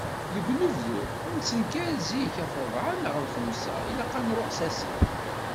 Deg unebdu, nettenkar zik, ɣef rrebɛa neɣ lxemsa, ilaq ad nṛuḥ s asif.